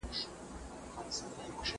دروازه د انا له خوا وتړل شوه.